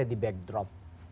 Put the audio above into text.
ada di backdrop